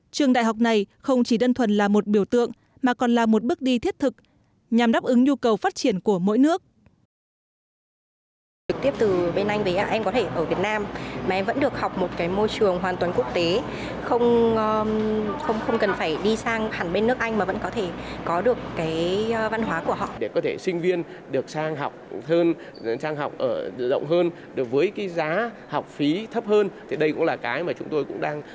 trường đại học này không chỉ đơn thuần là một biểu tượng mà còn là một bước đi thiết thực nhằm đáp ứng nhu cầu phát triển của mỗi nước